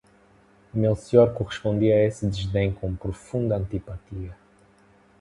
Melcior correspondia a esse desdém com profunda antipatia.